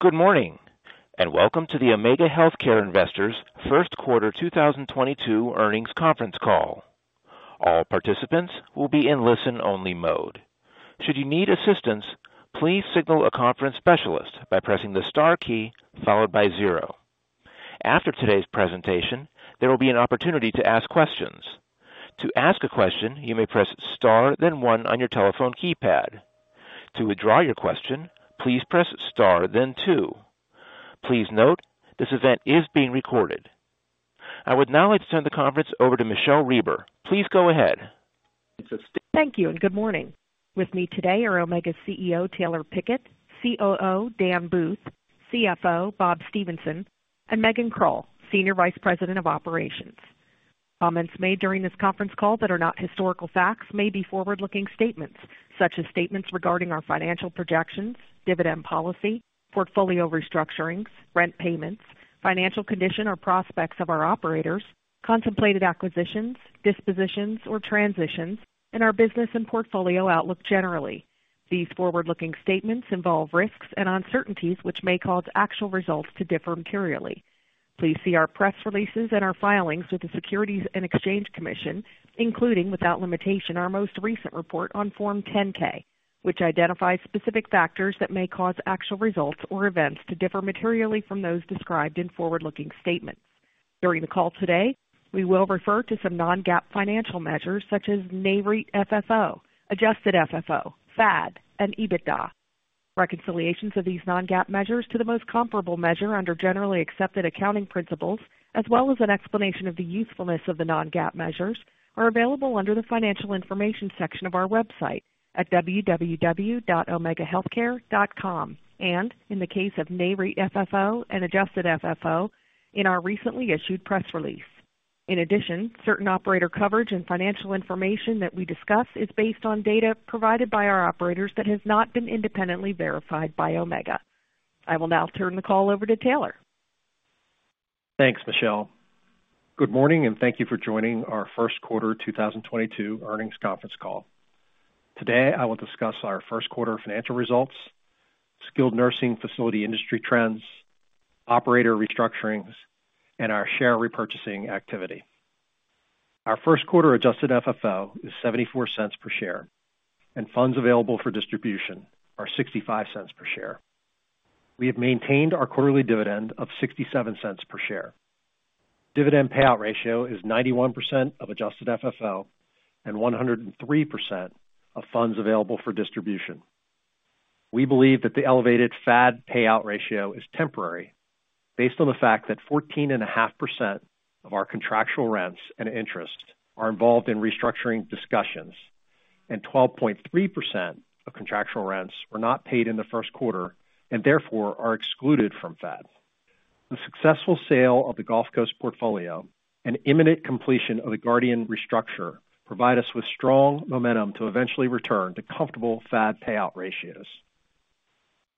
Good morning, and welcome to the Omega Healthcare Investors first quarter 2022 earnings conference call. All participants will be in listen-only mode. Should you need assistance, please signal a conference specialist by pressing the star key followed by zero. After today's presentation, there will be an opportunity to ask questions. To ask a question, you may press star then one on your telephone keypad. To withdraw your question, please press star then two. Please note, this event is being recorded. I would now like to turn the conference over to Michele Reber. Please go ahead. Thank you and good morning. With me today are Omega CEO Taylor Pickett, COO Dan Booth, CFO Bob Stephenson, and Megan Krull, Senior Vice President of Operations. Comments made during this conference call that are not historical facts may be forward-looking statements such as statements regarding our financial projections, dividend policy, portfolio restructurings, rent payments, financial condition or prospects of our operators, contemplated acquisitions, dispositions or transitions, and our business and portfolio outlook generally. These forward-looking statements involve risks and uncertainties which may cause actual results to differ materially. Please see our press releases and our filings with the Securities and Exchange Commission, including, without limitation, our most recent report on Form 10-K, which identifies specific factors that may cause actual results or events to differ materially from those described in forward-looking statements. During the call today, we will refer to some non-GAAP financial measures such as Nareit FFO, Adjusted FFO, FAD and EBITDA. Reconciliations of these non-GAAP measures to the most comparable measure under generally accepted accounting principles, as well as an explanation of the usefulness of the non-GAAP measures, are available under the Financial Information section of our website at www.omegahealthcare.com and, in the case of Nareit FFO and Adjusted FFO, in our recently issued press release. In addition, certain operator coverage and financial information that we discuss is based on data provided by our operators that has not been independently verified by Omega. I will now turn the call over to Taylor. Thanks, Michele. Good morning, and thank you for joining our first quarter 2022 earnings conference call. Today, I will discuss our first quarter financial results, skilled nursing facility industry trends, operator restructurings, and our share repurchasing activity. Our first quarter adjusted FFO is $0.74 per share, and funds available for distribution are $0.65 per share. We have maintained our quarterly dividend of $0.67 per share. Dividend payout ratio is 91% of adjusted FFO and 103% of funds available for distribution. We believe that the elevated FAD payout ratio is temporary based on the fact that 14.5% of our contractual rents and interest are involved in restructuring discussions and 12.3% of contractual rents were not paid in the first quarter and therefore are excluded from FAD. The successful sale of the Gulf Coast Health Care portfolio and imminent completion of the Guardian Healthcare restructure provide us with strong momentum to eventually return to comfortable FAD payout ratios.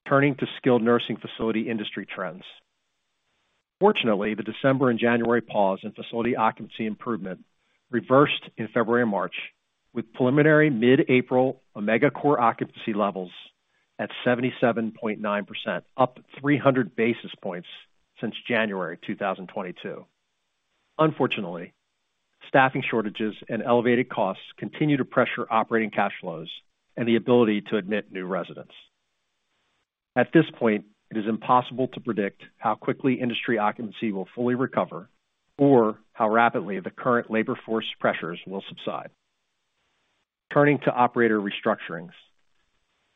Turning to skilled nursing facility industry trends. Fortunately, the December and January pause in facility occupancy improvement reversed in February and March, with preliminary mid-April Omega core occupancy levels at 77.9%, up 300 basis points since January 2022. Unfortunately, staffing shortages and elevated costs continue to pressure operating cash flows and the ability to admit new residents. At this point, it is impossible to predict how quickly industry occupancy will fully recover or how rapidly the current labor force pressures will subside. Turning to operator restructurings.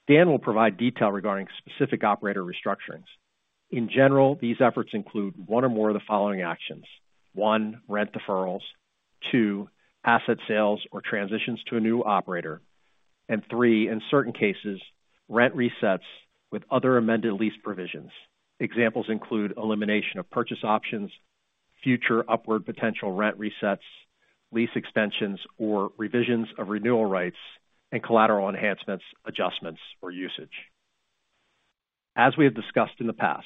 Dan Booth will provide detail regarding specific operator restructurings. In general, these efforts include one or more of the following actions. One, rent deferrals, two, asset sales or transitions to a new operator, and three, in certain cases, rent resets with other amended lease provisions. Examples include elimination of purchase options, future upward potential rent resets, lease extensions or revisions of renewal rights and collateral enhancements, adjustments or usage. As we have discussed in the past,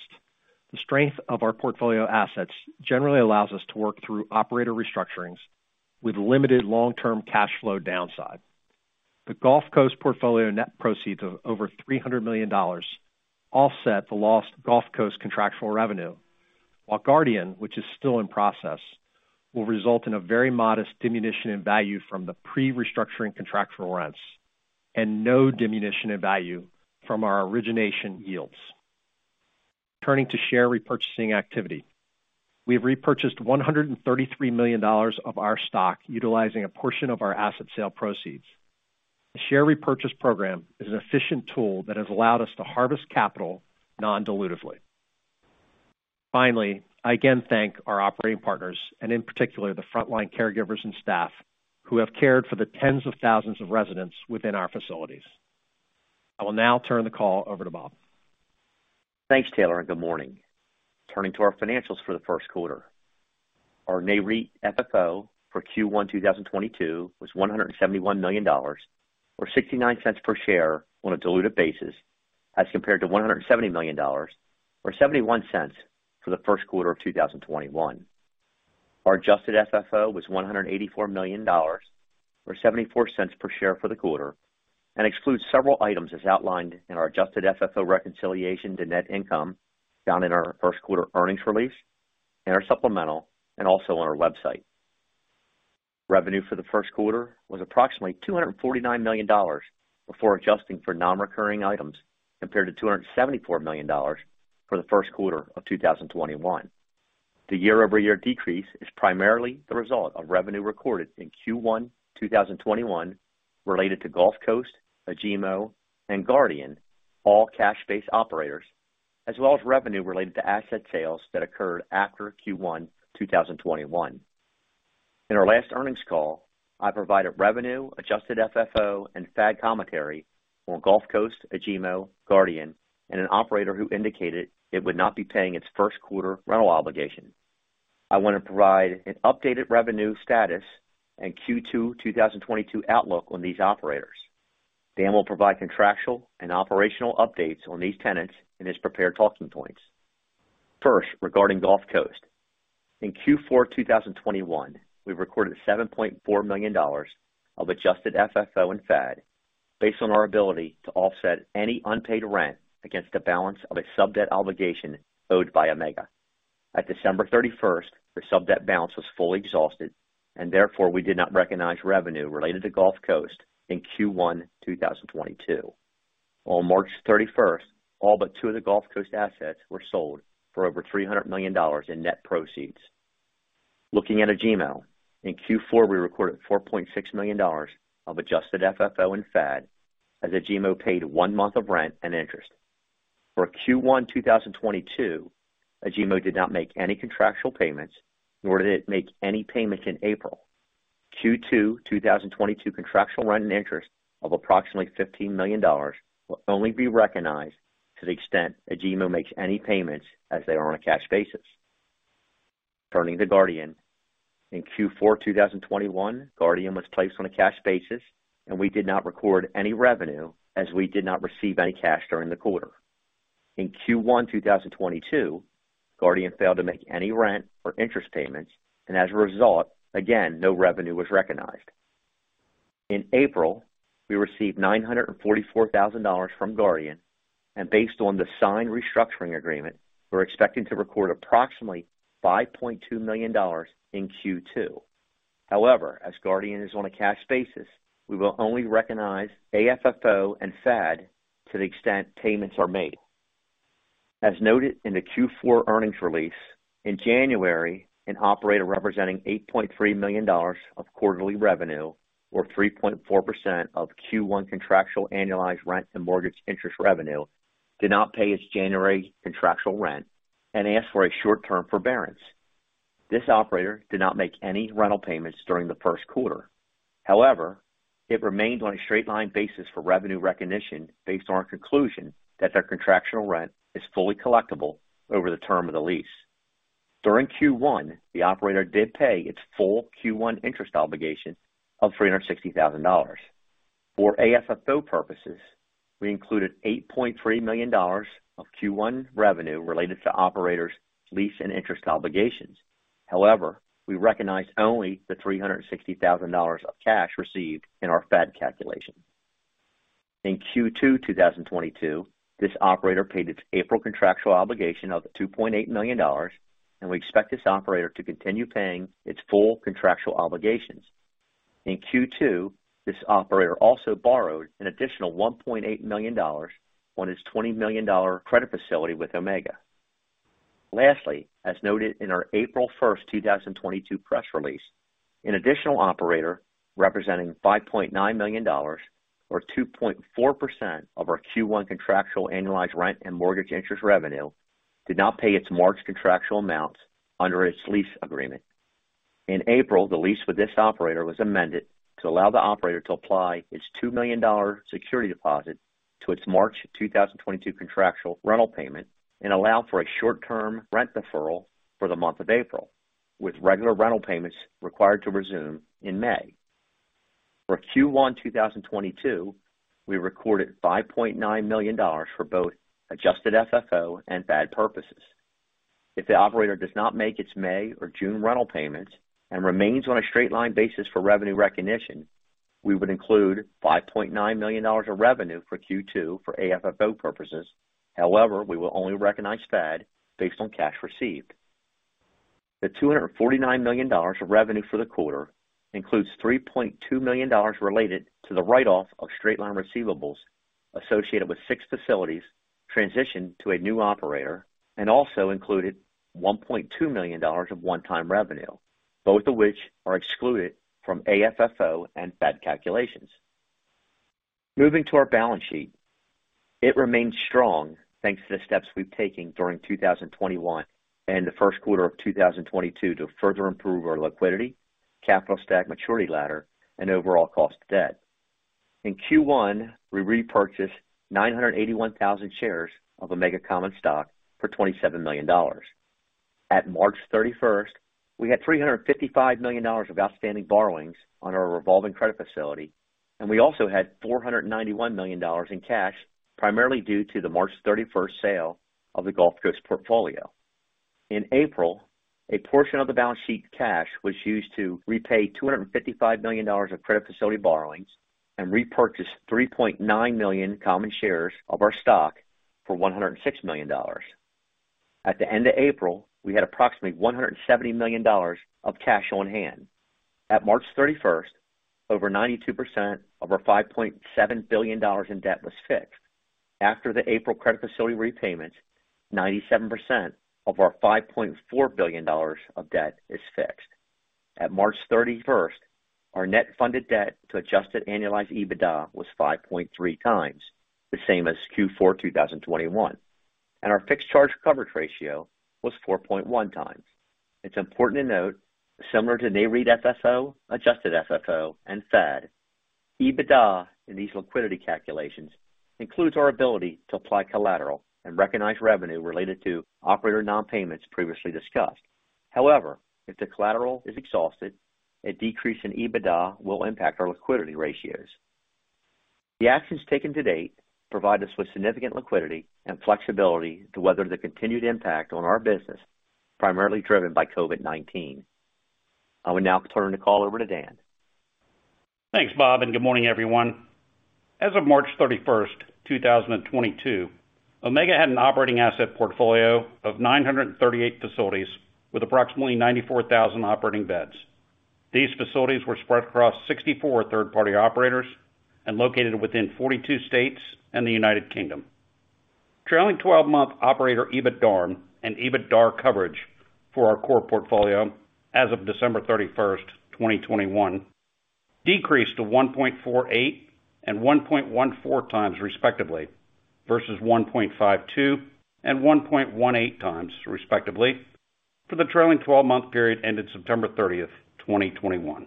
the strength of our portfolio assets generally allows us to work through operator restructurings with limited long-term cash flow downside. The Gulf Coast portfolio net proceeds of over $300 million offset the lost Gulf Coast contractual revenue, while Guardian, which is still in process, will result in a very modest diminution in value from the pre-restructuring contractual rents and no diminution in value from our origination yields. Turning to share repurchasing activity. We have repurchased $133 million of our stock utilizing a portion of our asset sale proceeds. The share repurchase program is an efficient tool that has allowed us to harvest capital non-dilutively. Finally, I again thank our operating partners and in particular the frontline caregivers and staff who have cared for the tens of thousands of residents within our facilities. I will now turn the call over to Bob. Thanks, Taylor, and good morning. Turning to our financials for the first quarter. Our Nareit FFO for Q1 2022 was $171 million or 69 cents per share on a diluted basis as compared to $170 million or 71 cents for the first quarter of 2021. Our adjusted FFO was $184 million, or $0.74 per share for the quarter, and excludes several items as outlined in our adjusted FFO reconciliation to net income found in our first quarter earnings release and our supplemental and also on our website. Revenue for the first quarter was approximately $249 million before adjusting for non-recurring items compared to $274 million for the first quarter of 2021. The year-over-year decrease is primarily the result of revenue recorded in Q1 2021 related to Gulf Coast, Agemo, and Guardian, all cash-based operators, as well as revenue related to asset sales that occurred after Q1 2021. In our last earnings call, I provided revenue, adjusted FFO, and FAD commentary on Gulf Coast, Agemo, Guardian, and an operator who indicated it would not be paying its first quarter rental obligation. I want to provide an updated revenue status and Q2 2022 outlook on these operators. Dan will provide contractual and operational updates on these tenants in his prepared talking points. First, regarding Gulf Coast. In Q4 2021, we recorded $7.4 million of adjusted FFO and FAD based on our ability to offset any unpaid rent against the balance of a sub-debt obligation owed by Omega. At December 31, the sub-debt balance was fully exhausted, and therefore, we did not recognize revenue related to Gulf Coast in Q1 2022. On March 31, all but two of the Gulf Coast assets were sold for over $300 million in net proceeds. Looking at Agemo. In Q4, we recorded $4.6 million of adjusted FFO and FAD as Agemo paid one month of rent and interest. For Q1 2022, Agemo did not make any contractual payments, nor did it make any payments in April. Q2 2022 contractual rent and interest of approximately $15 million will only be recognized to the extent Agemo makes any payments as they are on a cash basis. Turning to Guardian. In Q4 2021, Guardian was placed on a cash basis, and we did not record any revenue as we did not receive any cash during the quarter. In Q1 2022, Guardian failed to make any rent or interest payments, and as a result, again, no revenue was recognized. In April, we received $944,000 from Guardian, and based on the signed restructuring agreement, we're expecting to record approximately $5.2 million in Q2. However, as Guardian is on a cash basis, we will only recognize AFFO and FAD to the extent payments are made. As noted in the Q4 earnings release, in January, an operator representing $8.3 million of quarterly revenue or 3.4% of Q1 contractual annualized rent and mortgage interest revenue did not pay its January contractual rent and asked for a short-term forbearance. This operator did not make any rental payments during the first quarter. However, it remains on a straight-line basis for revenue recognition based on our conclusion that their contractual rent is fully collectible over the term of the lease. During Q1, the operator did pay its full Q1 interest obligation of $360,000. For AFFO purposes, we included $8.3 million of Q1 revenue related to operator's lease and interest obligations. However, we recognized only the $360,000 of cash received in our FAD calculation. In Q2 2022, this operator paid its April contractual obligation of $2.8 million, and we expect this operator to continue paying its full contractual obligations. In Q2, this operator also borrowed an additional $1.8 million on his $20 million credit facility with Omega. Lastly, as noted in our April 1, 2022 press release, an additional operator representing $5.9 million or 2.4% of our Q1 contractual annualized rent and mortgage interest revenue did not pay its March contractual amounts under its lease agreement. In April, the lease with this operator was amended to allow the operator to apply its $2 million security deposit to its March 2022 contractual rental payment and allow for a short-term rent deferral for the month of April, with regular rental payments required to resume in May. For Q1 2022, we recorded $5.9 million for both Adjusted FFO and FAD purposes. If the operator does not make its May or June rental payments and remains on a straight-line basis for revenue recognition, we would include $5.9 million of revenue for Q2 for AFFO purposes. However, we will only recognize FAD based on cash received. The $249 million of revenue for the quarter includes $3.2 million related to the write-off of straight-line receivables associated with 6 facilities transitioned to a new operator and also included $1.2 million of one-time revenue, both of which are excluded from AFFO and FAD calculations. Moving to our balance sheet. It remains strong, thanks to the steps we've taken during 2021 and the first quarter of 2022 to further improve our liquidity, capital stack maturity ladder, and overall cost of debt. In Q1, we repurchased 981,000 shares of Omega common stock for $27 million. At March 31st, we had $355 million of outstanding borrowings on our revolving credit facility. We also had $491 million in cash, primarily due to the March 31st sale of the Gulf Coast Health Care portfolio. In April, a portion of the balance sheet cash was used to repay $255 million of credit facility borrowings and repurchase 3.9 million common shares of our stock for $106 million. At the end of April, we had approximately $170 million of cash on hand. At March 31st, over 92% of our $5.7 billion in debt was fixed. After the April credit facility repayments, 97% of our $5.4 billion of debt is fixed. At March 31st, our net funded debt to adjusted annualized EBITDA was 5.3x, the same as Q4 2021, and our fixed charge coverage ratio was 4.1x. It's important to note, similar to Nareit FFO, Adjusted FFO, and FAD, EBITDA in these liquidity calculations includes our ability to apply collateral and recognize revenue related to operator non-payments previously discussed. However, if the collateral is exhausted, a decrease in EBITDA will impact our liquidity ratios. The actions taken to date provide us with significant liquidity and flexibility to weather the continued impact on our business, primarily driven by COVID-19. I will now turn the call over to Dan Booth. Thanks, Bob, and good morning, everyone. As of March 31, 2022, Omega had an operating asset portfolio of 938 facilities with approximately 94,000 operating beds. These facilities were spread across 64 third-party operators and located within 42 states and the United Kingdom. Trailing twelve-month operator EBITDARM and EBITDAR coverage for our core portfolio as of December 31, 2021 decreased to 1.48 and 1.14 times respectively, versus 1.52 and 1.18 times respectively for the trailing twelve-month period ended September 30, 2021.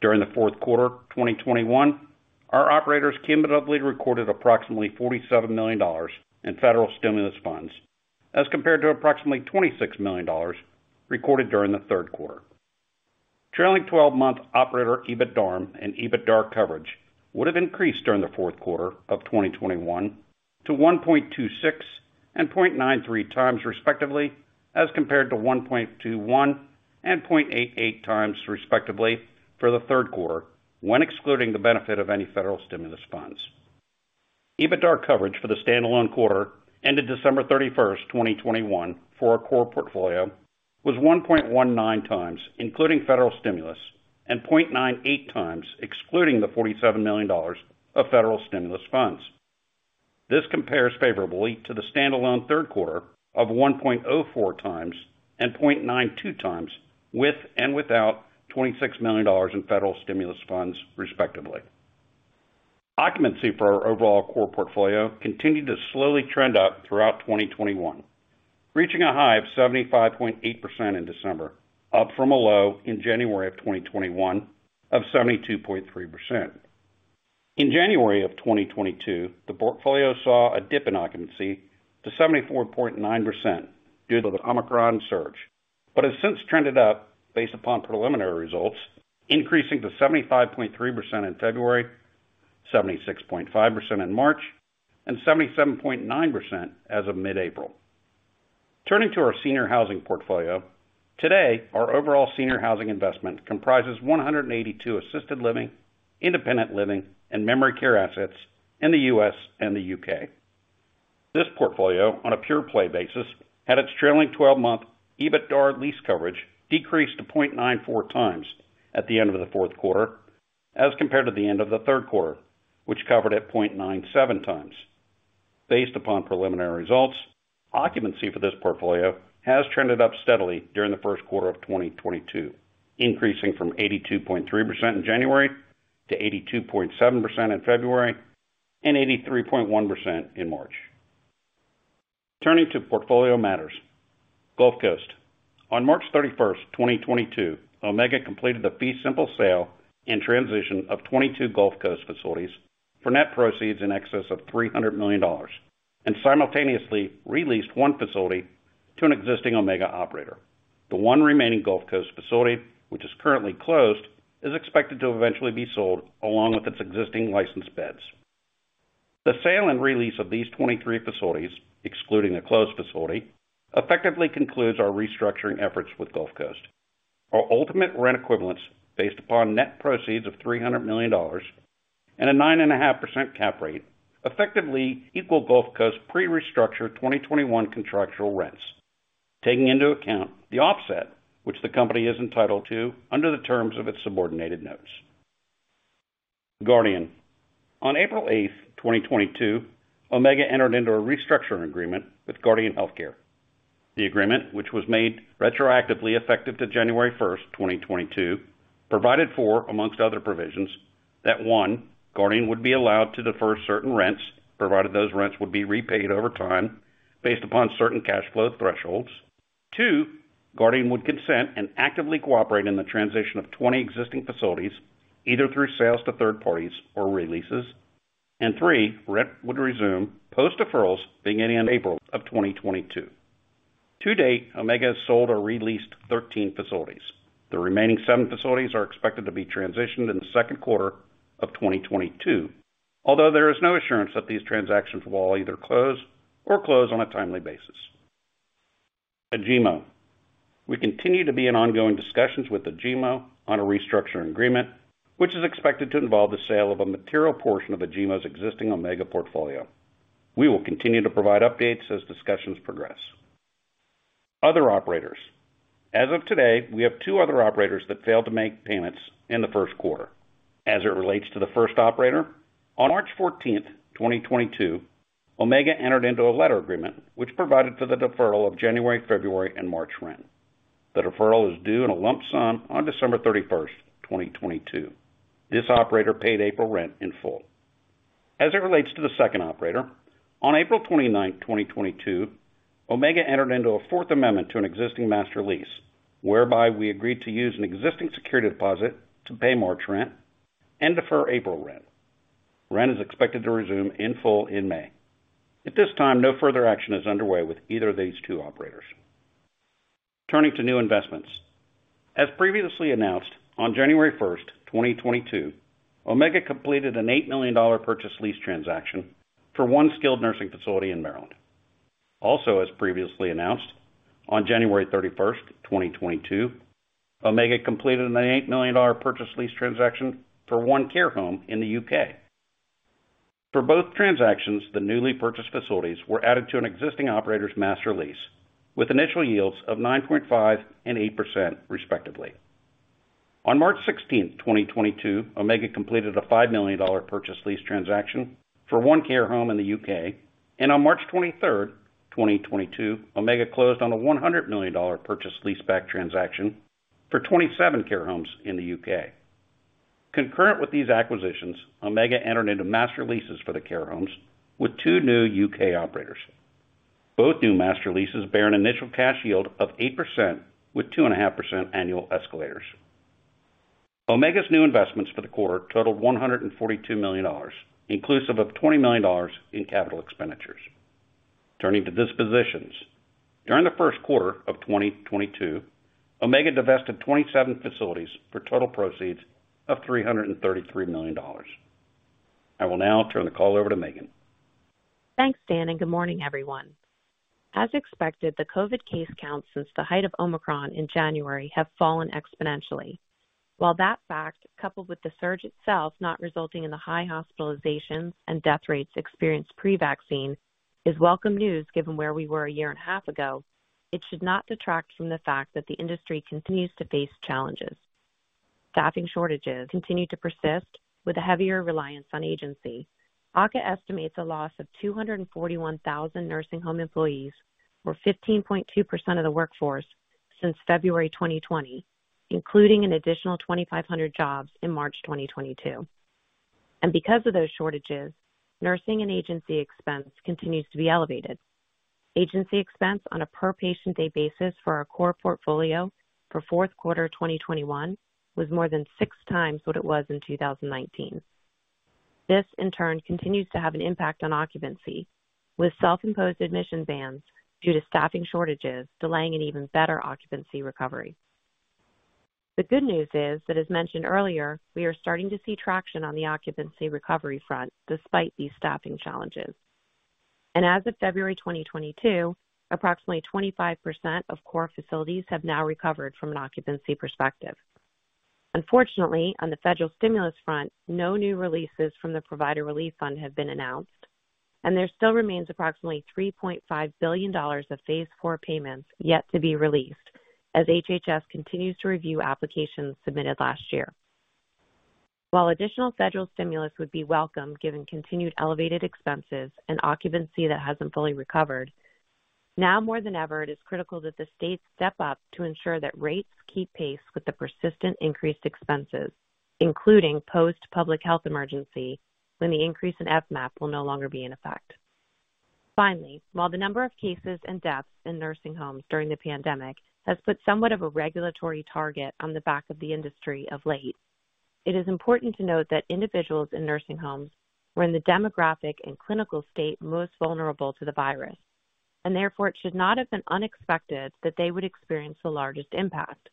During the fourth quarter 2021, our operators cumulatively recorded approximately $47 million in federal stimulus funds as compared to approximately $26 million recorded during the third quarter. Trailing 12-month operator EBITDARM and EBITDAR coverage would have increased during the fourth quarter of 2021 to 1.26 and 0.93 times respectively, as compared to 1.21 and 0.88 times respectively for the third quarter, when excluding the benefit of any federal stimulus funds. EBITDAR coverage for the standalone quarter ended December 31, 2021 for our core portfolio was 1.19 times, including federal stimulus, and 0.98 times, excluding the $47 million of federal stimulus funds. This compares favorably to the standalone third quarter of 1.04 times and 0.92 times with and without $26 million in federal stimulus funds, respectively. Occupancy for our overall core portfolio continued to slowly trend up throughout 2021, reaching a high of 75.8% in December, up from a low in January of 2021 of 72.3%. In January of 2022, the portfolio saw a dip in occupancy to 74.9% due to the Omicron surge, but has since trended up based upon preliminary results, increasing to 75.3% in February, 76.5% in March, and 77.9% as of mid-April. Turning to our senior housing portfolio, today, our overall senior housing investment comprises 182 assisted living, independent living, and memory care assets in the U.S. and the U.K. This portfolio, on a pure play basis, had its trailing twelve-month EBITDAR lease coverage decreased to 0.94 times at the end of the fourth quarter as compared to the end of the third quarter, which covered at 0.97 times. Based upon preliminary results, occupancy for this portfolio has trended up steadily during the first quarter of 2022, increasing from 82.3% in January to 82.7% in February and 83.1% in March. Turning to portfolio matters. Gulf Coast. On March 31, 2022, Omega completed the fee simple sale and transition of 22 Gulf Coast facilities for net proceeds in excess of $300 million and simultaneously re-leased one facility to an existing Omega operator. The one remaining Gulf Coast facility, which is currently closed, is expected to eventually be sold along with its existing licensed beds. The sale and re-lease of these 23 facilities, excluding the closed facility, effectively concludes our restructuring efforts with Gulf Coast. Our ultimate rent equivalents, based upon net proceeds of $300 million and a 9.5% cap rate, effectively equal Gulf Coast pre-restructure 2021 contractual rents, taking into account the offset which the company is entitled to under the terms of its subordinated notes. Guardian. On April 8, 2022, Omega entered into a restructuring agreement with Guardian Healthcare. The agreement, which was made retroactively effective to January 1, 2022, provided for, among other provisions, that, one, Guardian would be allowed to defer certain rents, provided those rents would be repaid over time based upon certain cash flow thresholds. Two, Guardian would consent and actively cooperate in the transition of 20 existing facilities, either through sales to third parties or re-leases. Three, rent would resume post deferrals beginning in April of 2022. To date, Omega has sold or re-leased 13 facilities. The remaining seven facilities are expected to be transitioned in the second quarter of 2022, although there is no assurance that these transactions will either close or close on a timely basis. Agemo. We continue to be in ongoing discussions with Agemo on a restructuring agreement, which is expected to involve the sale of a material portion of Agemo's existing Omega portfolio. We will continue to provide updates as discussions progress. Other operators. As of today, we have two other operators that failed to make payments in the first quarter. As it relates to the first operator, on March 14, 2022, Omega entered into a letter agreement which provided for the deferral of January, February and March rent. The deferral is due in a lump sum on December 31, 2022. This operator paid April rent in full. As it relates to the second operator, on April 29, 2022, Omega entered into a fourth amendment to an existing master lease, whereby we agreed to use an existing security deposit to pay March rent and defer April rent. Rent is expected to resume in full in May. At this time, no further action is underway with either of these two operators. Turning to new investments. As previously announced, on January 1, 2022, Omega completed an $8 million purchase lease transaction for one skilled nursing facility in Maryland. Also, as previously announced, on January 31, 2022, Omega completed an $8 million purchase lease transaction for one care home in the U.K. For both transactions, the newly purchased facilities were added to an existing operator's master lease with initial yields of 9.5% and 8%, respectively. On March 16, 2022, Omega completed a $5 million purchase lease transaction for one care home in the U.K. On March 23, 2022, Omega closed on a $100 million purchase leaseback transaction for 27 care homes in the U.K. Concurrent with these acquisitions, Omega entered into master leases for the care homes with two new U.K. operators. Both new master leases bear an initial cash yield of 8% with 2.5% annual escalators. Omega's new investments for the quarter totaled $142 million, inclusive of $20 million in capital expenditures. Turning to dispositions. During the first quarter of 2022, Omega divested 27 facilities for total proceeds of $333 million. I will now turn the call over to Megan Krull. Thanks, Dan, and good morning, everyone. As expected, the COVID case count since the height of Omicron in January has fallen exponentially. While that fact, coupled with the surge itself not resulting in the high hospitalizations and death rates experienced pre-vaccine, is welcome news, given where we were a year and a half ago, it should not detract from the fact that the industry continues to face challenges. Staffing shortages continue to persist with a heavier reliance on agency. AHCA estimates a loss of 241,000 nursing home employees, or 15.2% of the workforce since February 2020, including an additional 2,500 jobs in March 2022. Because of those shortages, nursing and agency expense continues to be elevated. Agency expense on a per patient day basis for our core portfolio for fourth quarter 2021 was more than six times what it was in 2019. This in turn continues to have an impact on occupancy, with self-imposed admission bans due to staffing shortages delaying an even better occupancy recovery. The good news is that, as mentioned earlier, we are starting to see traction on the occupancy recovery front despite these staffing challenges. As of February 2022, approximately 25% of core facilities have now recovered from an occupancy perspective. Unfortunately, on the federal stimulus front, no new releases from the Provider Relief Fund have been announced. There still remains approximately $3.5 billion of phase four payments yet to be released as HHS continues to review applications submitted last year. While additional federal stimulus would be welcome, given continued elevated expenses and occupancy that hasn't fully recovered, now more than ever, it is critical that the states step up to ensure that rates keep pace with the persistent increased expenses, including post public health emergency when the increase in FMAP will no longer be in effect. Finally, while the number of cases and deaths in nursing homes during the pandemic has put somewhat of a regulatory target on the back of the industry of late, it is important to note that individuals in nursing homes were in the demographic and clinical state most vulnerable to the virus, and therefore it should not have been unexpected that they would experience the largest impact.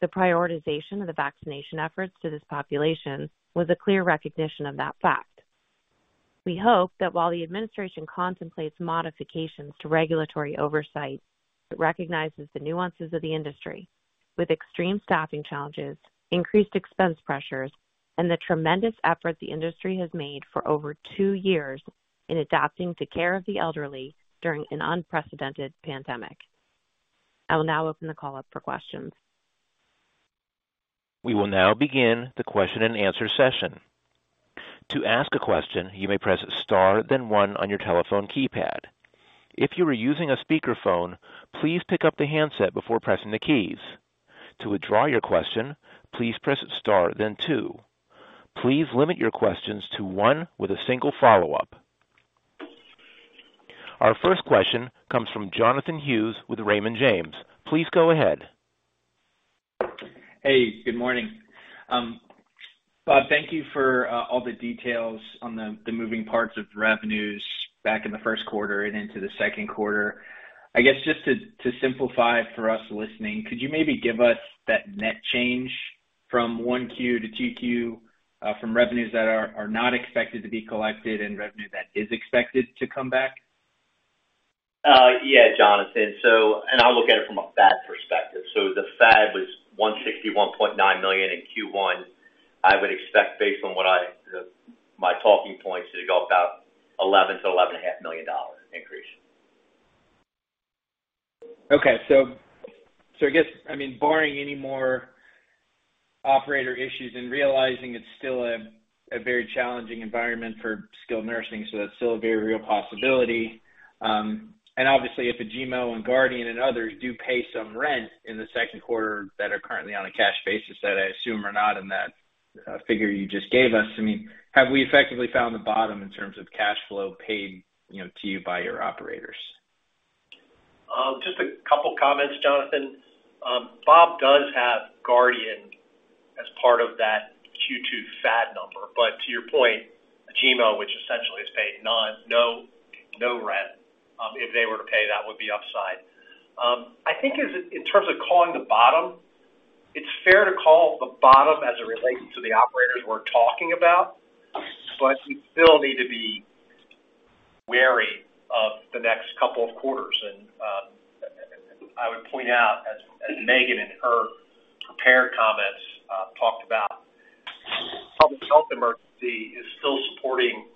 The prioritization of the vaccination efforts to this population was a clear recognition of that fact. We hope that while the administration contemplates modifications to regulatory oversight, it recognizes the nuances of the industry with extreme staffing challenges, increased expense pressures, and the tremendous efforts the industry has made for over two years in adapting to care of the elderly during an unprecedented pandemic. I will now open the call up for questions. We will now begin the question and answer session. To ask a question, you may press star then one on your telephone keypad. If you are using a speakerphone, please pick up the handset before pressing the keys. To withdraw your question, please press star then two. Please limit your questions to one with a single follow-up. Our first question comes from Jonathan Hughes with Raymond James. Please go ahead. Hey, good morning. Bob, thank you for all the details on the moving parts of revenues back in the first quarter and into the second quarter. I guess just to simplify for us listening, could you maybe give us that net change from 1Q to 2Q, from revenues that are not expected to be collected and revenue that is expected to come back? Yeah, Jonathan. I'll look at it from a FAD perspective. The FAD was $161.9 million in Q1. I would expect based on my talking points to go up about $11 million-$11.5 million increase. Okay. I guess, I mean, barring any more operator issues and realizing it's still a very challenging environment for skilled nursing, that's still a very real possibility. Obviously if Agemo and Guardian and others do pay some rent in the second quarter that are currently on a cash basis that I assume are not in that figure you just gave us, I mean, have we effectively found the bottom in terms of cash flow paid, you know, to you by your operators? Just a couple comments, Jonathan. Bob does have Guardian as part of that Q2 FAD number. To your point, Agemo, which essentially has paid no rent, if they were to pay, that would be upside. I think in terms of calling the bottom, it's fair to call the bottom as it relates to the operators we're talking about, but we still need to be wary of the next couple of quarters. I would point out as Megan in her prepared comments talked about, public health emergency is still supporting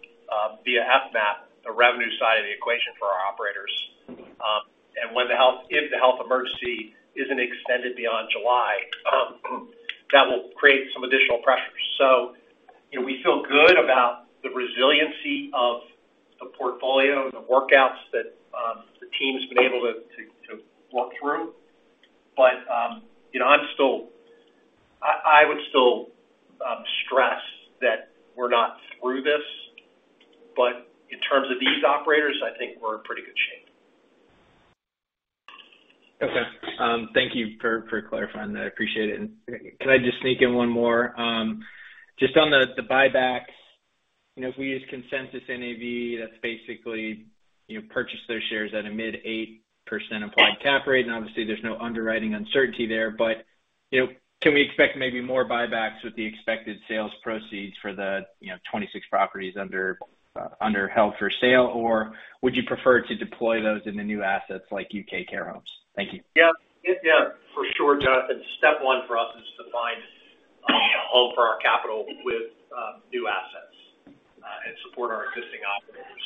via FMAP, the revenue side of the equation for our operators. When the health emergency isn't extended beyond July, that will create some additional pressures. You know, we feel good about the resiliency of the portfolio, the workouts that the team's been able to work through. You know, I would still stress that we're not through this. In terms of these operators, I think we're in pretty good shape. Okay. Thank you for clarifying that. I appreciate it. Can I just sneak in one more? Just on the buybacks, you know, if we use consensus NAV, that's basically, you know, purchase their shares at a mid-8% implied cap rate, and obviously there's no underwriting uncertainty there. You know, can we expect maybe more buybacks with the expected sales proceeds for the, you know, 26 properties under held for sale? Would you prefer to deploy those into new assets like U.K. care homes? Thank you. Yeah. Yeah, for sure, Jonathan. Step one for us is to find a home for our capital with new assets and support our existing operators.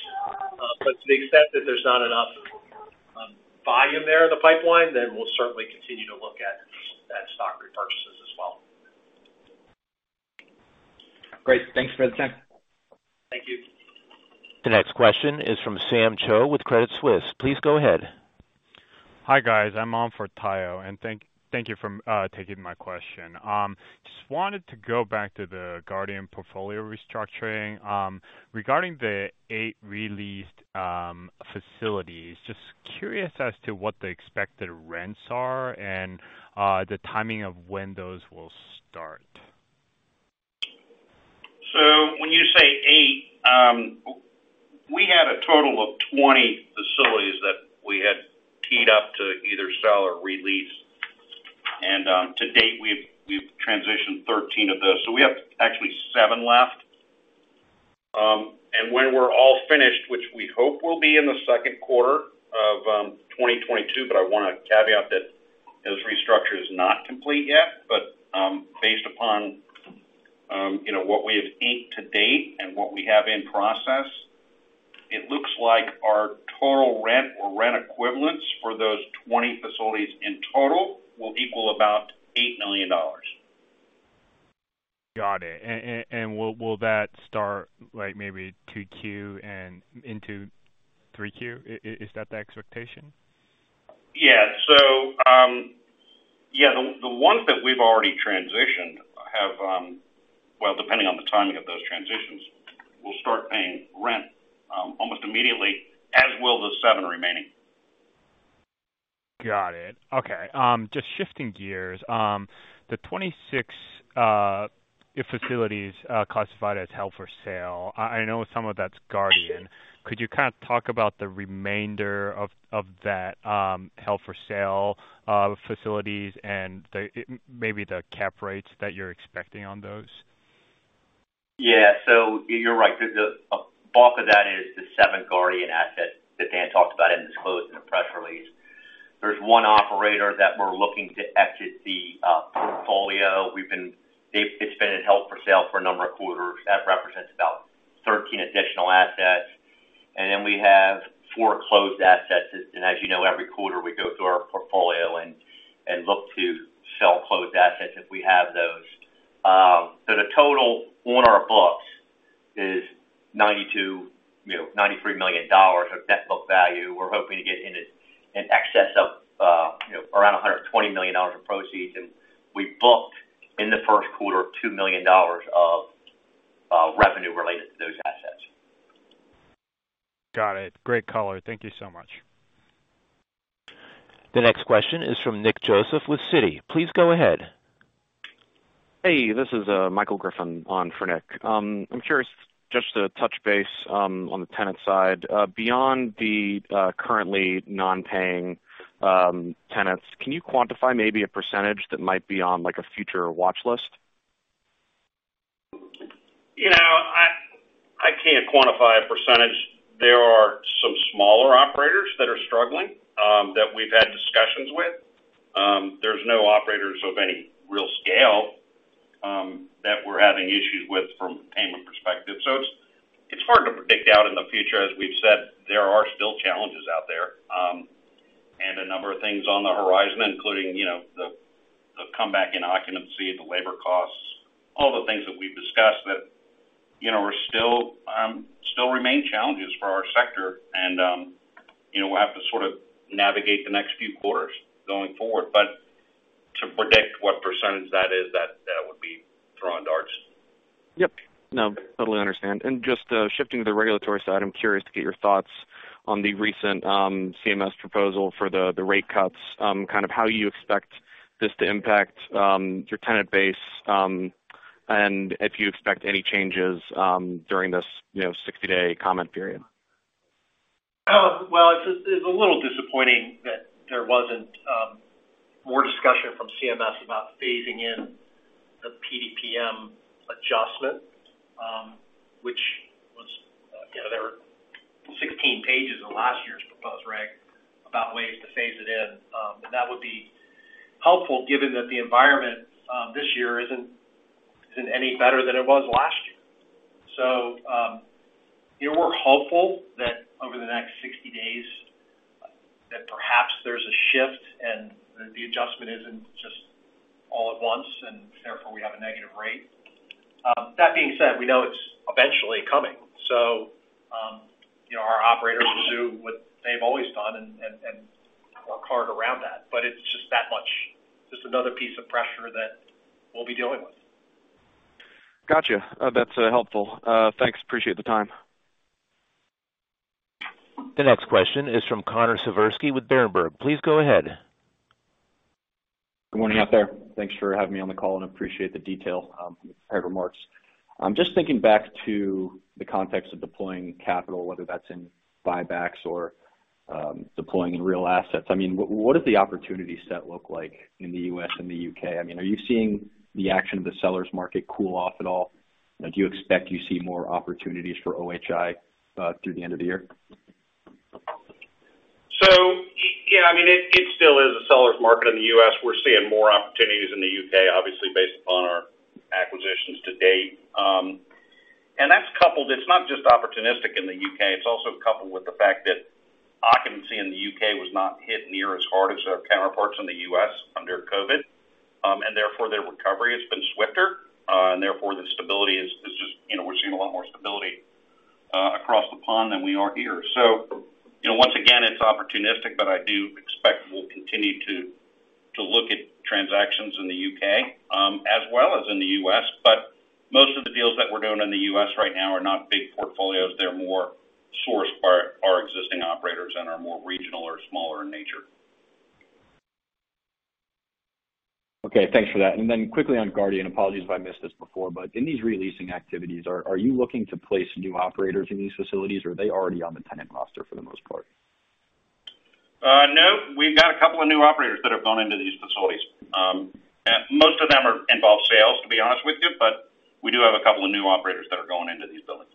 To the extent that there's not enough volume there in the pipeline, then we'll certainly continue to look at stock repurchases as well. Great. Thanks for the time. Thank you. The next question is from Sam Cho with Credit Suisse. Please go ahead. Hi, guys. I'm on for Tayo, and thank you for taking my question. Just wanted to go back to the Guardian portfolio restructuring. Regarding the 8 re-leased facilities, just curious as to what the expected rents are and the timing of when those will start. When you say eight, we had a total of 20 facilities that we had teed up to either sell or re-lease. To date, we've transitioned 13 of those. We have actually seven left. When we're all finished, which we hope will be in the second quarter of 2022, but I wanna caveat that this restructure is not complete yet. Based upon you know what we have inked to date and what we have in process, it looks like our total rent or rent equivalents for those 20 facilities in total will equal about $8 million. Got it. Will that start like maybe 2Q and into 3Q? Is that the expectation? The ones that we've already transitioned have, well, depending on the timing of those transitions, will start paying rent almost immediately, as will the seven remaining. Got it. Okay. Just shifting gears. The 26 facilities classified as held for sale, I know some of that's Guardian. Could you kind of talk about the remainder of that held for sale facilities and maybe the cap rates that you're expecting on those? Yeah. You're right. The bulk of that is the seven Guardian assets that Dan talked about in his close in the press release. There's one operator that we're looking to exit the portfolio. It's been held for sale for a number of quarters. That represents about 13 additional assets. Then we have four closed assets. As you know, every quarter, we go through our portfolio and look to sell closed assets if we have those. So the total on our books is $92-$93 million of net book value. We're hoping to get in excess of, you know, around $120 million in proceeds. We booked in the first quarter $2 million of revenue related to that. Got it. Great color. Thank you so much. The next question is from Nick Joseph with Citi. Please go ahead. Hey, this is Michael Griffin on for Nick. I'm curious, just to touch base, on the tenant side, beyond the currently non-paying tenants, can you quantify maybe a percentage that might be on, like, a future watch list? You know, I can't quantify a percentage. There are some smaller operators that are struggling, that we've had discussions with. There's no operators of any real scale, that we're having issues with from a payment perspective. It's hard to predict out in the future. As we've said, there are still challenges out there, and a number of things on the horizon, including, you know, the comeback in occupancy, the labor costs, all the things that we've discussed that, you know, are still remain challenges for our sector. You know, we'll have to sort of navigate the next few quarters going forward. To predict what percentage that is, that would be throwing darts. Yep. No, totally understand. Just shifting to the regulatory side, I'm curious to get your thoughts on the recent CMS proposal for the rate cuts, kind of how you expect this to impact your tenant base, and if you expect any changes during this, you know, 60-day comment period. Well, it's a little disappointing that there wasn't more discussion from CMS about phasing in the PDPM adjustment, which was, you know, there were 16 pages in last year's proposed reg about ways to phase it in. That would be helpful given that the environment this year isn't any better than it was last year. You know, we're hopeful that over the next 60 days that perhaps there's a shift and that the adjustment isn't just all at once, and therefore we have a negative rate. That being said, we know it's eventually coming, so, you know, our operators will do what they've always done and work hard around that. It's just that much, just another piece of pressure that we'll be dealing with. Gotcha. That's helpful. Thanks. Appreciate the time. The next question is from Connor Siversky with Berenberg. Please go ahead. Good morning, out there. Thanks for having me on the call, and appreciate the detail prepared remarks. I'm just thinking back to the context of deploying capital, whether that's in buybacks or deploying real assets. I mean, what does the opportunity set look like in the U.S. and the U.K.? I mean, are you seeing the action of the seller's market cool off at all? Do you expect you see more opportunities for OHI through the end of the year? Yeah, I mean, it still is a seller's market in the US. We're seeing more opportunities in the UK, obviously based upon our acquisitions to date. That's coupled. It's not just opportunistic in the UK, it's also coupled with the fact that occupancy in the UK was not hit near as hard as our counterparts in the US under COVID. Therefore, their recovery has been swifter. Therefore, the stability is just, you know, we're seeing a lot more stability across the pond than we are here. You know, once again, it's opportunistic, but I do expect we'll continue to look at transactions in the UK as well as in the US. Most of the deals that we're doing in the US right now are not big portfolios. They're more sourced by our existing operators and are more regional or smaller in nature. Okay, thanks for that. Quickly on Guardian, apologies if I missed this before, but in these re-leasing activities, are you looking to place new operators in these facilities, or are they already on the tenant roster for the most part? No. We've got a couple of new operators that have gone into these facilities. Most of them are involved sales, to be honest with you, but we do have a couple of new operators that are going into these buildings.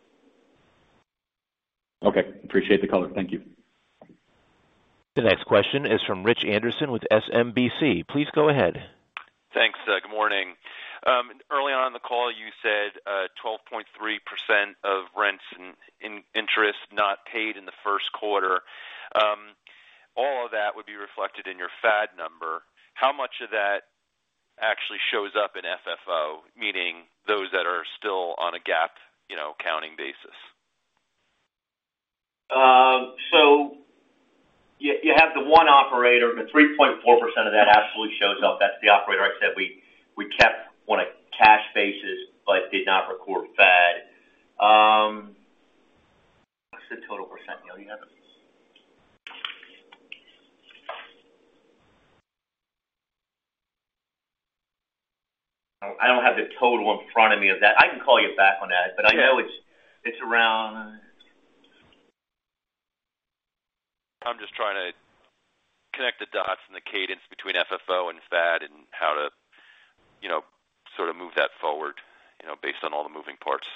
Okay. Appreciate the color. Thank you. The next question is from Richard Anderson with SMBC. Please go ahead. Thanks. Good morning. Early on in the call you said, 12.3% of rents and interest not paid in the first quarter. All of that would be reflected in your FAD number. How much of that actually shows up in FFO, meaning those that are still on a GAAP, you know, accounting basis? So you have the one operator, the 3.4% of that absolutely shows up. That's the operator I said we kept on a cash basis but did not record FAD. What's the total % Neil, you have it? I don't have the total in front of me of that. I can call you back on that. Yeah. I know it's around. I'm just trying to connect the dots and the cadence between FFO and FAD and how to, you know, sort of move that forward, you know, based on all the moving parts.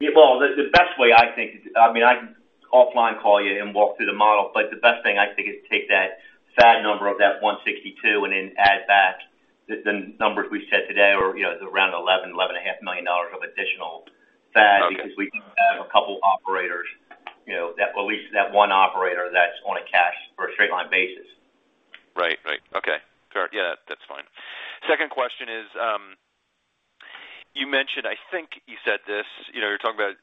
Well, the best way I think is, I mean, I can offline call you and walk through the model, but the best thing I think is to take that FAD number of that $162 and then add back the numbers we said today are, you know, around $11-$11.5 million of additional FAD. Okay. We have a couple operators, you know, that or at least that one operator that's on a cash or a straight line basis. Right. Right. Okay. Fair. Yeah, that's fine. Second question is, you mentioned, I think you said this, you know, you're talking about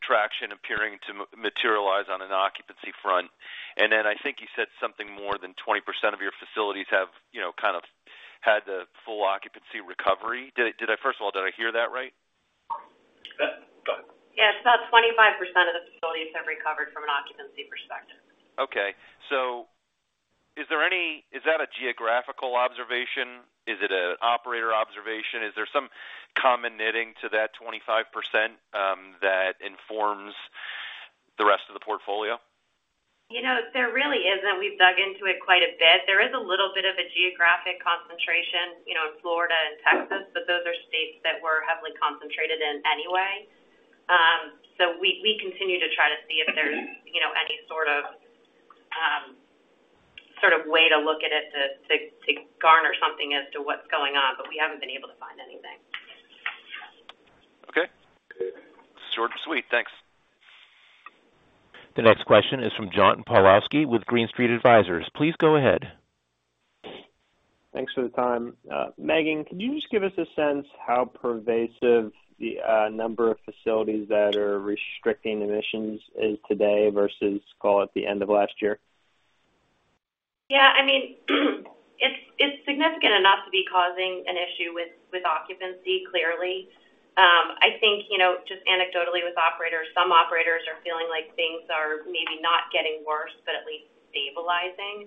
traction appearing to materialize on an occupancy front. Then I think you said something more than 20% of your facilities have, you know, kind of had the full occupancy recovery. Did I, first of all, hear that right? Go ahead. Yes, about 25% of the facilities have recovered from an occupancy perspective. Is that a geographical observation? Is it an operator observation? Is there some common knitting to that 25%, that informs the rest of the portfolio? You know, there really isn't. We've dug into it quite a bit. There is a little bit of a geographic concentration, you know, in Florida and Texas, but those are states that we're heavily concentrated in anyway. So we continue to try to see if there's, you know, any sort of way to look at it to garner something as to what's going on, but we haven't been able to find anything. Okay. Short and sweet. Thanks. The next question is from John Pawlowski with Green Street Advisors. Please go ahead. Thanks for the time. Megan, could you just give us a sense how pervasive the number of facilities that are restricting admissions is today versus, call it, the end of last year? Yeah. I mean, it's significant enough to be causing an issue with occupancy, clearly. I think, you know, just anecdotally with operators, some operators are feeling like things are maybe not getting worse, but at least stabilizing.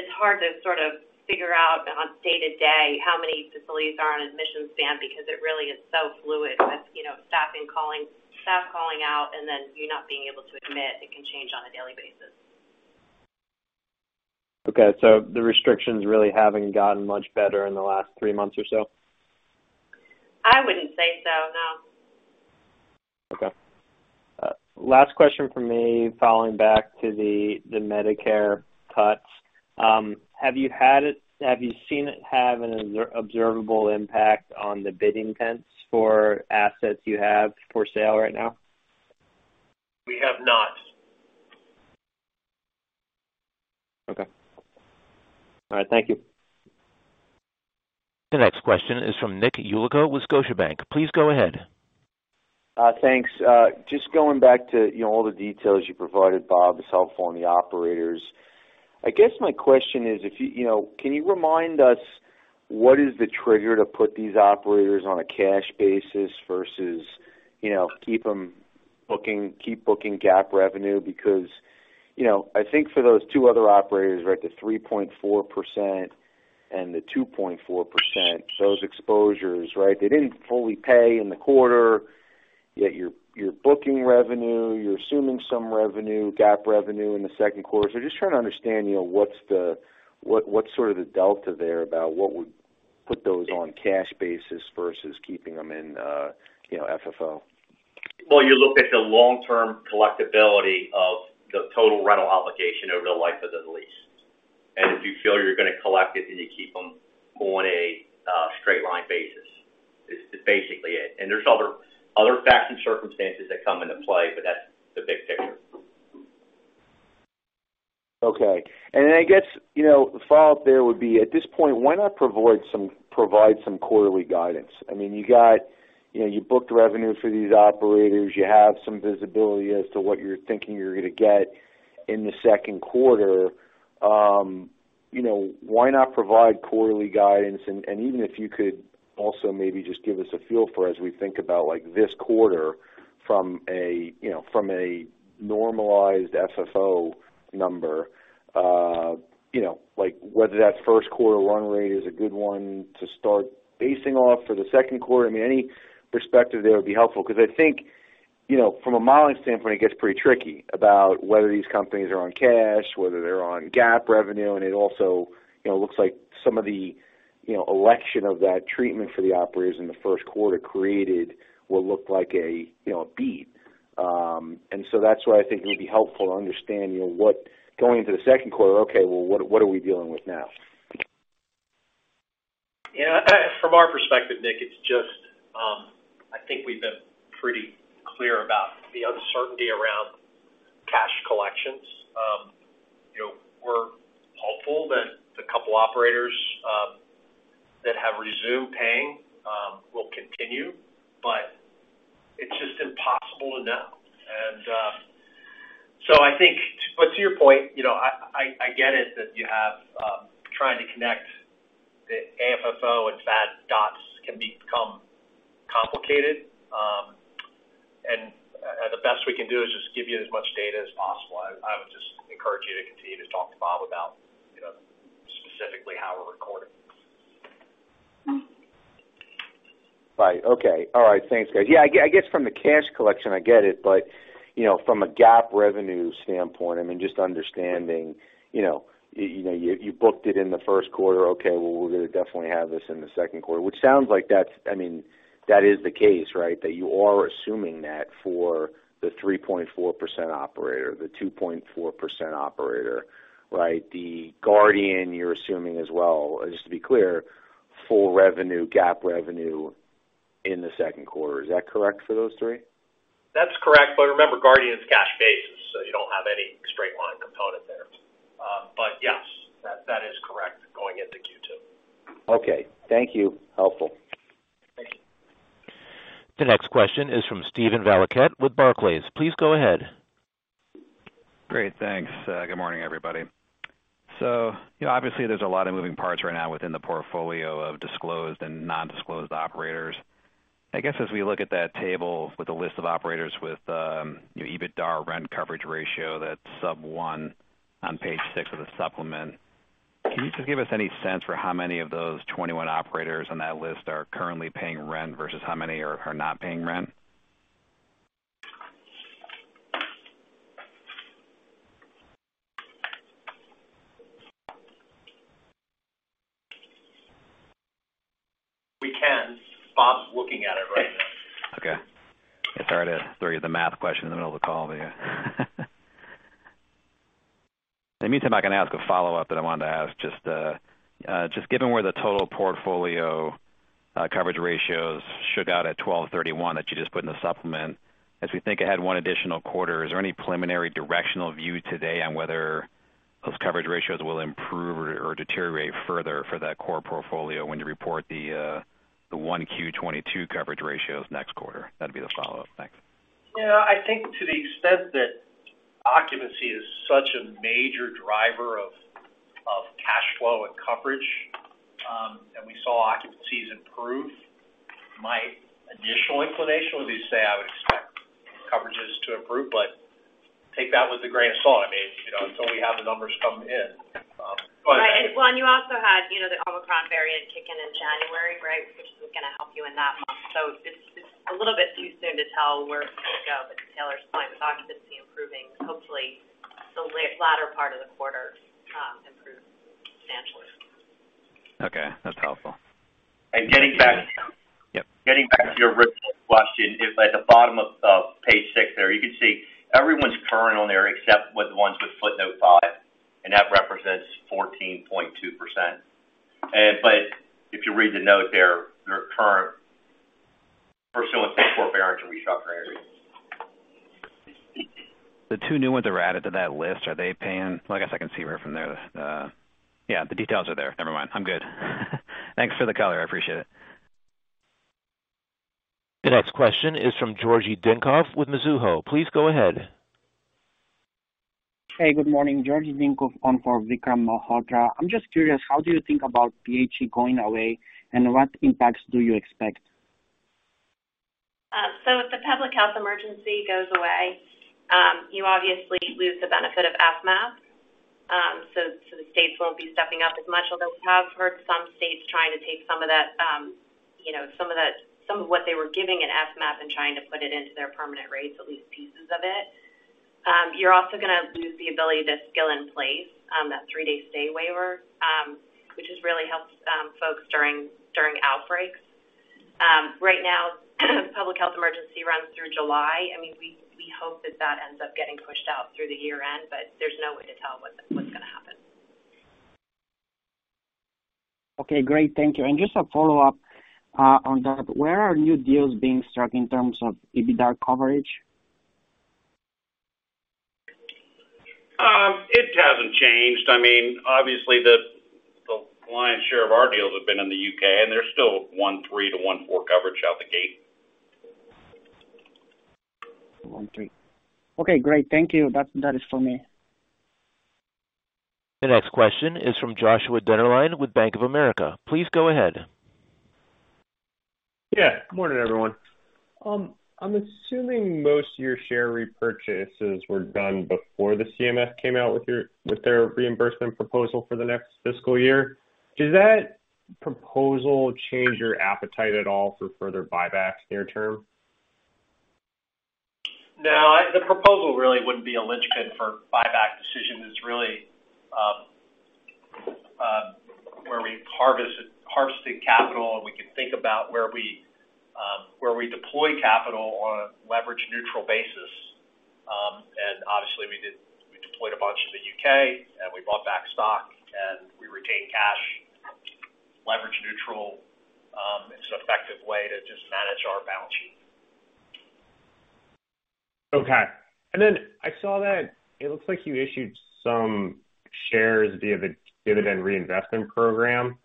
It's hard to sort of figure out day-to-day how many facilities are on admission stand because it really is so fluid with, you know, staff calling out, and then you're not being able to admit. It can change on a daily basis. Okay. The restrictions really haven't gotten much better in the last three months or so? I wouldn't say so, no. Okay. Last question from me referring back to the Medicare cuts. Have you seen it have an observable impact on the bidding trends for assets you have for sale right now? We have not. Okay. All right. Thank you. The next question is from Nicholas Yulico with Scotiabank. Please go ahead. Thanks. Just going back to, you know, all the details you provided, Bob, is helpful on the operators. I guess my question is if you. You know, can you remind us what is the trigger to put these operators on a cash basis versus, you know, keep booking GAAP revenue? Because, you know, I think for those two other operators, right, the 3.4% and the 2.4%, those exposures, right, they didn't fully pay in the quarter, yet you're booking revenue, you're assuming some revenue, GAAP revenue in the second quarter. So just trying to understand, you know, what's the what's sort of the delta there about what would put those on cash basis versus keeping them in, you know, FFO. Well, you look at the long-term collectibility of the total rental obligation over the life of the lease. If you feel you're gonna collect it, then you keep them on a straight line basis. It's basically it. There's other facts and circumstances that come into play, that's the big picture. Okay. I guess, you know, the follow-up there would be, at this point, why not provide some quarterly guidance? I mean, you got. You know, you booked revenue for these operators. You have some visibility as to what you're thinking you're gonna get in the second quarter. You know, why not provide quarterly guidance? Even if you could also maybe just give us a feel for as we think about, like, this quarter from a, you know, from a normalized FFO number, you know, like whether that first quarter run rate is a good one to start basing off for the second quarter. I mean, any perspective there would be helpful 'cause I think, you know, from a modeling standpoint, it gets pretty tricky about whether these companies are on cash, whether they're on GAAP revenue. It also, you know, looks like some of the, you know, election of that treatment for the operators in the first quarter will look like a, you know, a beat. That's why I think it would be helpful to understand, you know, what. Going into the second quarter, okay, well, what are we dealing with now? Yeah. From our perspective, Nick, it's just, I think we've been pretty clear about the uncertainty around cash collections. You know, we're hopeful that the couple operators that have resumed paying will continue, but it's just impossible to know. To your point, you know, I get it that trying to connect the AFFO and FAD dots can become complicated, and the best we can do is just give you as much data as possible. I would just encourage you to continue to talk to Bob about, you know, specifically how we're recording. Right. Okay. All right. Thanks, guys. Yeah, I guess from the cash collection, I get it. But you know, from a GAAP revenue standpoint, I mean, just understanding, you know, you booked it in the first quarter. Okay. Well, we're gonna definitely have this in the second quarter, which sounds like that's. I mean, that is the case, right? That you are assuming that for the 3.4% operator, the 2.4% operator, right? The Guardian, you're assuming as well, just to be clear, full revenue, GAAP revenue in the second quarter. Is that correct for those three? That's correct. Remember, Guardian's cash basis, so you don't have any straight line component there. Yes, that is correct going into Q2. Okay. Thank you. Helpful. The next question is from Steven Valiquette with Barclays. Please go ahead. Great. Thanks. Good morning, everybody. You know, obviously, there's a lot of moving parts right now within the portfolio of disclosed and non-disclosed operators. I guess, as we look at that table with a list of operators with EBITDA rent coverage ratio that's sub one on page 6 of the supplement, can you just give us any sense for how many of those 21 operators on that list are currently paying rent versus how many are not paying rent? We can. Bob's looking at it right now. Okay. Sorry to throw you the math question in the middle of the call there. In the meantime, I can ask a follow-up that I wanted to ask. Just given where the total portfolio coverage ratios shook out at 12/31 that you just put in the supplement, as we think ahead one additional quarter, is there any preliminary directional view today on whether those coverage ratios will improve or deteriorate further for that core portfolio when you report the Q1 2022 coverage ratios next quarter? That'd be the follow-up. Thanks. Yeah. I think to the extent that occupancy is such a major driver of cash flow and coverage, and we saw occupancies improve, my initial inclination would be to say I would expect coverages to improve, but take that with a grain of salt. I mean, you know, until we have the numbers come in. Right. Well, you also had, you know, the Omicron variant kick in in January, right? Which isn't gonna help you in that month. It's a little bit too soon to tell where it's gonna go. Taylor's point with occupancy improving, hopefully the latter part of the quarter improves substantially. Okay. That's helpful. And getting back to- Yep. Getting back to your original question, if at the bottom of page 6 there, you can see everyone's current on their except with the ones with footnote 5, and that represents 14.2%. If you read the note there, their current pursuant to court order can be short for any reason. The two new ones that were added to that list, are they paying? Well, I guess I can see right from there. Yeah, the details are there. Never mind. I'm good. Thanks for the color. I appreciate it. The next question is from Omkar Dinkar with Mizuho. Please go ahead. Hey, good morning, Omkar Dinkar on for Vikram Malhotra. I'm just curious, how do you think about PHE going away, and what impacts do you expect? If the public health emergency goes away, you obviously lose the benefit of FMAP. The states won't be stepping up as much, although we have heard some states trying to take some of that, you know, some of what they were giving in FMAP and trying to put it into their permanent rates, at least pieces of it. You're also gonna lose the ability to skill in place, that three-day stay waiver, which has really helped folks during outbreaks. Right now, public health emergency runs through July. I mean, we hope that that ends up getting pushed out through the year-end, but there's no way to tell what's gonna happen. Okay, great. Thank you. Just a follow-up on that. Where are new deals being struck in terms of EBITDA coverage? It hasn't changed. I mean, obviously, the lion's share of our deals have been in the UK, and they're still 1.3x-1.4x coverage out the gate. 1-3. Okay, great. Thank you. That is for me. The next question is from Joshua Dennerlein with Bank of America. Please go ahead. Yeah. Good morning, everyone. I'm assuming most of your share repurchases were done before the CMS came out with their reimbursement proposal for the next fiscal year. Does that proposal change your appetite at all for further buybacks near term? No, the proposal really wouldn't be a linchpin for buyback decision. It's really where we harvested capital, and we can think about where we deploy capital on a leverage neutral basis. Obviously, we deployed a bunch in the UK, and we bought back stock, and we retained cash, leverage neutral. It's an effective way to just manage our balance sheet. Okay. I saw that it looks like you issued some shares via the dividend reinvestment program.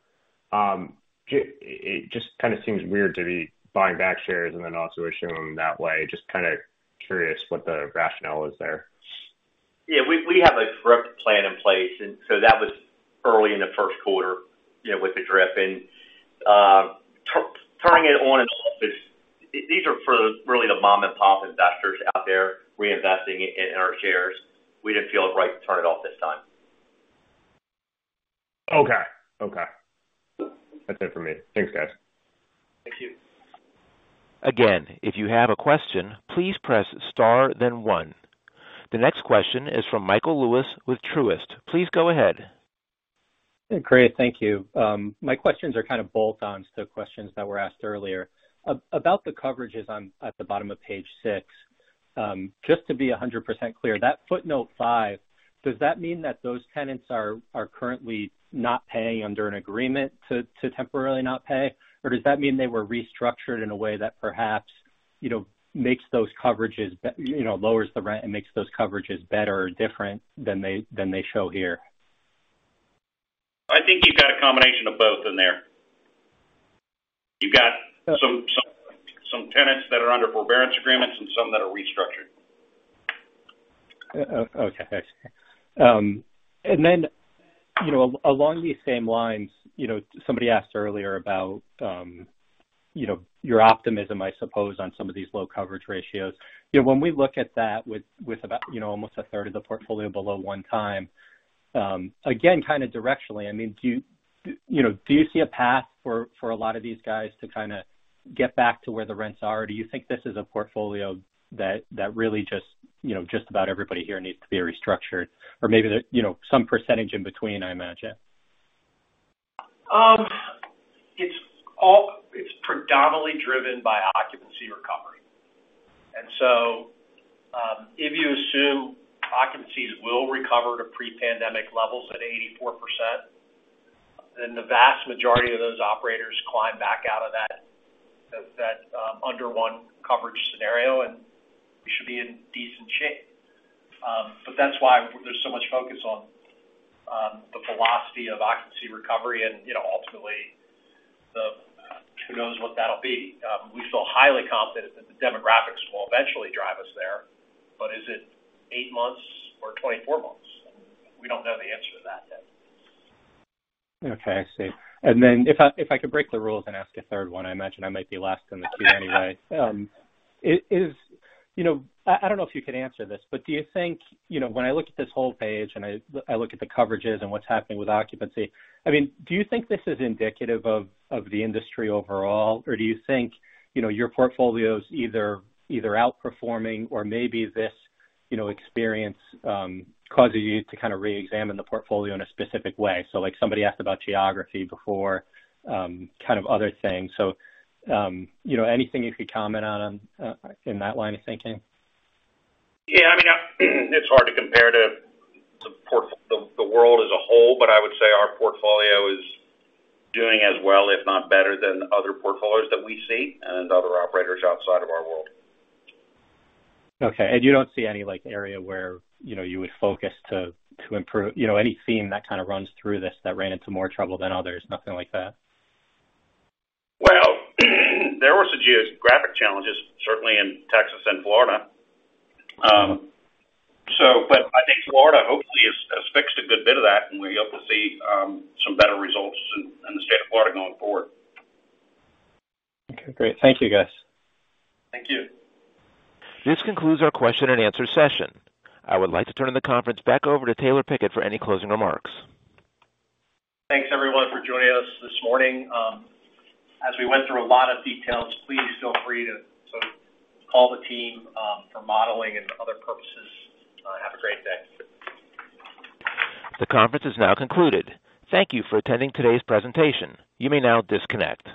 It just kind of seems weird to be buying back shares and then also issuing them that way. Just kind of curious what the rationale is there. Yeah. We have a DRIP plan in place, and so that was early in the first quarter, you know, with the DRIP. These are for the really mom-and-pop investors out there reinvesting in our shares. We just feel it right to turn it off this time. Okay. Okay. That's it for me. Thanks, guys. Thank you. Again, if you have a question, please press star then one. The next question is from Michael Lewis with Truist. Please go ahead. Great. Thank you. My questions are kind of bolt-ons to questions that were asked earlier. About the coverages on, at the bottom of page six, just to be 100% clear, that footnote five, does that mean that those tenants are currently not paying under an agreement to temporarily not pay? Or does that mean they were restructured in a way that perhaps, you know, makes those coverages, you know, lowers the rent and makes those coverages better or different than they show here? I think you've got a combination of both in there. You've got some tenants that are under forbearance agreements and some that are restructured. Okay. I see. Then, you know, along these same lines, you know, somebody asked earlier about, you know, your optimism, I suppose, on some of these low coverage ratios. You know, when we look at that with about, you know, almost a third of the portfolio below one time, again, kind of directionally, I mean, do you see a path for a lot of these guys to kinda get back to where the rents are? Or do you think this is a portfolio that really just, you know, just about everybody here needs to be restructured? Or maybe there, you know, some percentage in between, I imagine. It's predominantly driven by occupancy recovery. If you assume occupancies will recover to pre-pandemic levels at 84%, then the vast majority of those operators climb back out of that under one coverage scenario, and we should be in decent shape. That's why there's so much focus on the philosophy of occupancy recovery. You know, ultimately, who knows what that'll be. We feel highly confident that the demographics will eventually drive us there, but is it eight months or 24 months? We don't know the answer to that yet. Okay. I see. Then if I could break the rules and ask a third one, I imagine I might be last in the queue anyway. You know, I don't know if you could answer this, but do you think, you know, when I look at this whole page and I look at the coverages and what's happening with occupancy, I mean, do you think this is indicative of the industry overall, or do you think, you know, your portfolio's either outperforming or maybe this, you know, experience causes you to kind of reexamine the portfolio in a specific way? Like somebody asked about geography before, kind of other things. You know, anything you could comment on in that line of thinking? Yeah. I mean, it's hard to compare to the world as a whole, but I would say our portfolio is doing as well, if not better than other portfolios that we see and other operators outside of our world. Okay. You don't see any, like, area where, you know, you would focus to improve, you know, any theme that kind of runs through this that ran into more trouble than others? Nothing like that? Well, there were some geographic challenges, certainly in Texas and Florida. I think Florida hopefully has fixed a good bit of that, and we're able to see some better results in the state of Florida going forward. Okay, great. Thank you, guys. Thank you. This concludes our question and answer session. I would like to turn the conference back over to Taylor Pickett for any closing remarks. Thanks, everyone, for joining us this morning. As we went through a lot of details, please feel free to sort of call the team for modeling and other purposes. Have a great day. The conference is now concluded. Thank you for attending today's presentation. You may now disconnect.